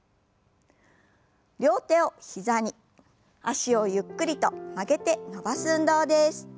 両手を膝に脚をゆっくりと曲げて伸ばす運動です。